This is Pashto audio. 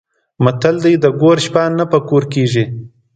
متل دی: د ګور شپه نه په کور کېږي.